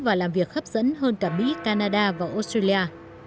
và làm việc hấp dẫn hơn cả mỹ canada và australia